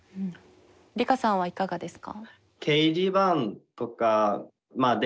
リカさんはいかがですか？